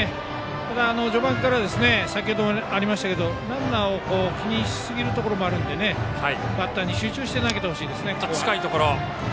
ただ、序盤からランナーを気にしすぎるところもあるのでバッターに集中して投げて欲しいですね。